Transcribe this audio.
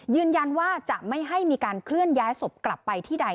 ยืนยันว่าจะไม่ให้มีการเคลื่อนย้ายศพกลับไปที่ใด